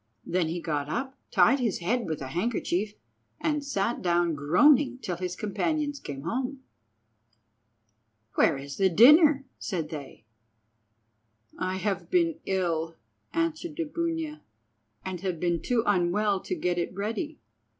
Then he got up, tied up his head with a handkerchief, and sat down, groaning, till his companions came home. "Where is the dinner?" said they. "I have been ill," answered Dubunia, "and have been too unwell to get it ready."